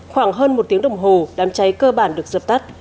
khoảng hơn một tiếng đồng hồ đám cháy cơ bản được dập tắt